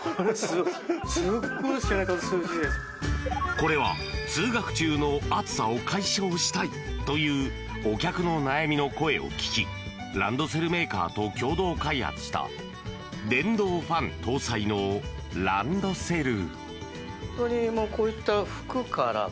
これは通学中の暑さを解消したいというお客の悩みの声を聞きランドセルメーカーと共同開発した電動ファン搭載のランドセル。